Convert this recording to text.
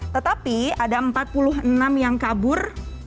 tetapi ada empat puluh enam yang kabur